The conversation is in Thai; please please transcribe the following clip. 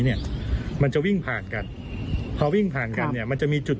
เนี่ยมันจะวิ่งผ่านกันพอวิ่งผ่านกันเนี่ยมันจะมีจุด